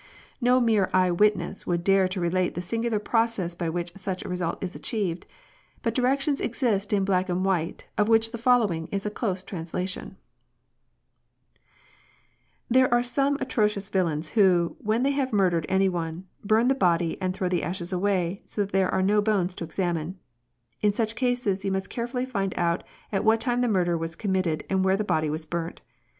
No mere eyewitness would dare to relate the singular process by which such a result is achieved ; but directions exist in black and white, of which the following is a close trans lation :—" There are some atrocious villains who, when they have murdered any one, burn the body and throw the ashes away, so that there are no bones to examine. In such cases you must carefully find out at what time the murder was committed and where the body was burnt.